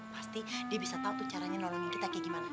pasti dia bisa tahu tuh caranya nolongin kita kayak gimana